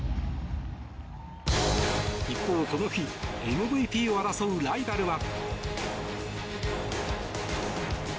一方、この日ＭＶＰを争うライバルは。